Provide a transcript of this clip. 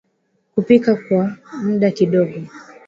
kupika kwa muda kidogo